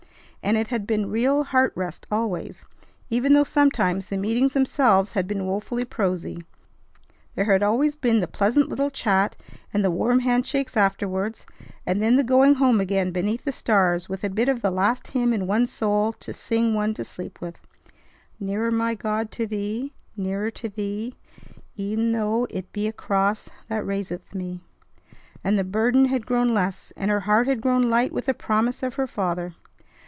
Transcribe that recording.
And it had been real heart rest always, even though sometimes the meetings themselves had been wofully prosy. There had always been the pleasant little chat and the warm hand shake afterwards, and then the going home again beneath the stars with a bit of the last hymn in one's soul to sing one to sleep with, "Nearer, my God, to Thee, Nearer to Thee; E'en though it be a cross That raiseth me;" and the burden had grown less, and her heart had grown light with the promise of her Father.